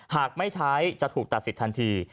หากไม่ใช้จะถูกตัดสิทธิทันที